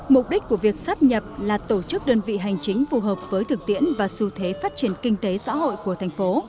mục đích của việc sắp nhập là tổ chức đơn vị hành chính phù hợp với thực tiễn và xu thế phát triển kinh tế xã hội của thành phố